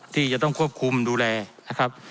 ที่จะต้องควบคุมดูแลนะครับ